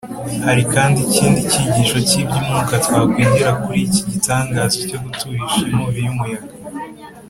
hari kandi ikindi cyigisho cy’iby’umwuka twakwigira kuri iki gitangaza cyo guturisha inkubi y’umuyaga